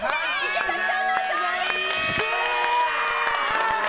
池崎さんの勝利！